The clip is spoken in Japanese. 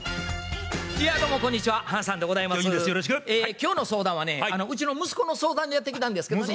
今日の相談はねうちの息子の相談でやって来たんですけどね。